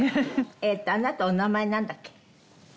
えっとあなたお名前なんだっけ？